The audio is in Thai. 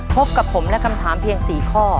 พบกับผมและคำถามเพียง๔ข้อ